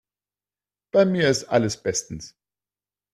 Bei mir ist alles bestens.